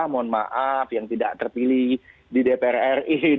mohon maaf yang tidak terpilih di dpr ri